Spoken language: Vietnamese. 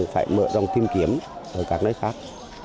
phải mở rộng tìm kiếm ở các nơi khác